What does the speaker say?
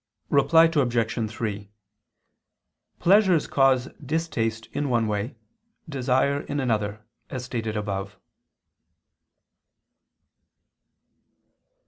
Reply Obj. 3: Pleasures cause distaste in one way, desire in another, as stated above.